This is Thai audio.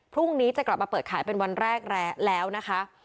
พรุ่งนี้จะกลับมาเปิดขายเป็นวันแรกแล้วนะคะ